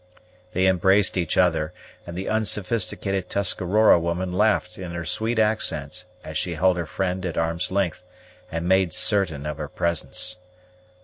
They embraced each other, and the unsophisticated Tuscarora woman laughed in her sweet accents as she held her friend at arm's length, and made certain of her presence.